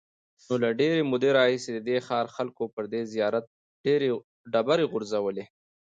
نو له ډېرې مودې راهیسې د دې ښار خلکو پر دې زیارت ډبرې غورځولې.